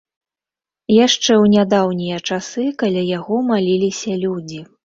Яшчэ ў нядаўнія часы каля яго маліліся людзі.